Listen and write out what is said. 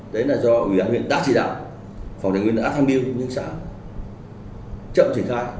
đấy là do huyện đã chỉ đạo phòng tài nguyên đã tham biêu những xã chậm triển khai